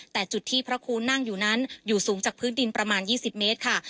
แต่จุดที่พระครูนั่งอยู่นั้นอยู่สูงจากพื้นดินประมาณ๒๐เมตรค่ะ